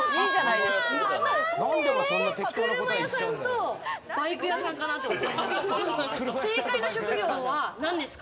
車屋さんとバイク屋さんかなと思ったんです。